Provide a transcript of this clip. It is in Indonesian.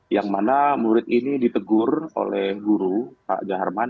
yang mana murid ini ditegur oleh guru pak jaharman